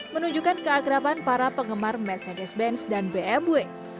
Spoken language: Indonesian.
menunjukkan keagraban para penggemar mercedes benz dan bmw